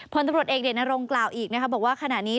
พลตำรวจเอกเดชนรงกล่าวอีกนะคะบอกว่าขณะนี้